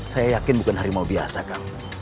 saya yakin bukan harimau biasa kang